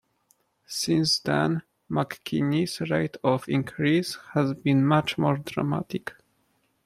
Since then, McKinney's rate of increase has been much more dramatic.